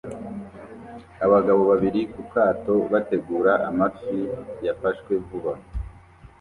Abagabo babiri ku kato bategura amafi yafashwe vuba